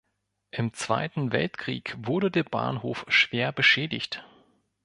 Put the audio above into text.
Im Zweiten Weltkrieg wurde der Bahnhof schwer beschädigt.